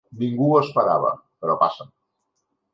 Ningú no ho esperava, però passa.